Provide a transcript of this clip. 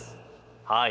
はい。